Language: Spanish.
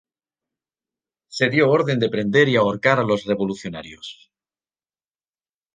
Se dio orden de prender y ahorcar a los revolucionarios.